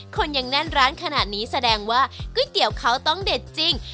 คนยังแน่นร้านขนาดนี้แสดงว่าก๋วยเตี๋ยวเขาต้องเด็ดจริง